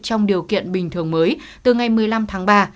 trong điều kiện bình thường mới từ ngày một mươi năm tháng ba